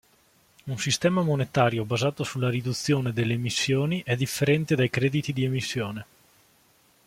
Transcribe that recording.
Un sistema monetario basato sulla riduzione delle emissioni è differente dai crediti di emissione.